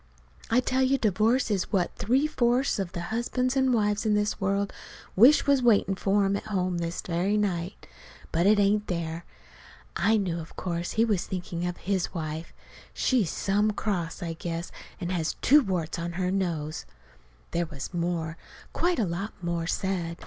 I tell you divorce is what three fourths of the husbands an' wives in the world wish was waitin' for 'em at home this very night. But it ain't there." I knew, of course, he was thinking of his wife. She's some cross, I guess, and has two warts on her nose. There was more, quite a lot more, said.